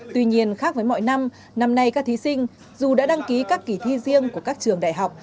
tuy nhiên khác với mọi năm năm nay các thí sinh dù đã đăng ký các kỳ thi riêng của các trường đại học